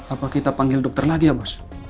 apa kita panggil dokter lagi ya mas